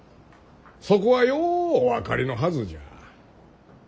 そこはようお分かりのはずじゃ。